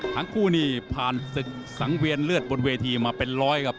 ทั้งคู่นี่ผ่านศึกสังเวียนเลือดบนเวทีมาเป็นร้อยครับ